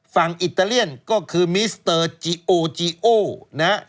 อิตาเลียนก็คือมิสเตอร์จีโอจีโอนะฮะ